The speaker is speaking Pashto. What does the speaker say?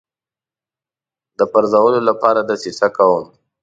د پرزولو لپاره دسیسه کوم.